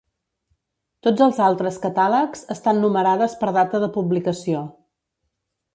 Tots els altres catàlegs estan numerades per data de publicació.